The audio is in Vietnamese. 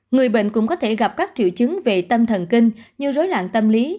người bệnh cũng có thể gặp các triệu chứng về tâm thần kinh như rối loạn tâm lý